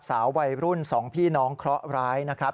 สาววัยรุ่น๒พี่น้องเคราะหร้ายนะครับ